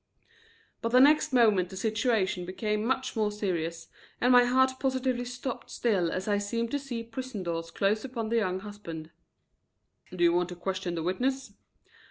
But the next moment the situation became much more serious and my heart positively stopped still as I seemed to see prison doors close upon the young husband. "Do you want to question the witness?"